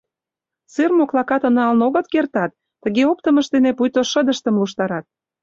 «Сыр» моклакатым налын огыт кертат, тыге оптымышт дене пуйто шыдыштым луштарат.